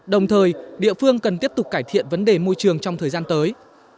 đồng thời địa phương cần tiếp tục cải thiện vấn đề môi trường trong thời gian tới